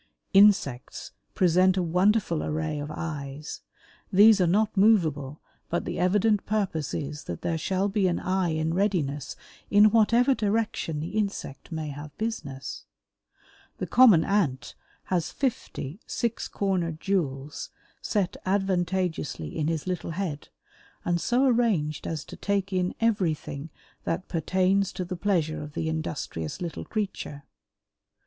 Insects present a wonderful array of eyes. These are not movable, but the evident purpose is that there shall be an eye in readiness in whatever direction the insect may have business. The common Ant has fifty six cornered jewels set advantageously in his little head and so arranged as to take in everything that pertains to the pleasure of the industrious little creature.